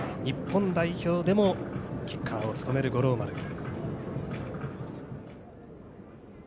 日本代表でもキッカーを務める五郎丸。